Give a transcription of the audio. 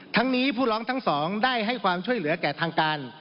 ทั้งนี้ผู้ร้องทั้งสองได้ให้ความช่วยเหลือแก่ทางการ